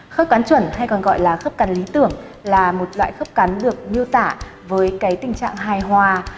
khớp cán chuẩn hay còn gọi là khớp cắn lý tưởng là một loại khớp cắn được miêu tả với cái tình trạng hài hòa